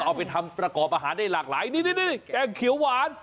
เอาไปทำประกอบอาหารได้หลากหลายนี่แกงเขียวหวาน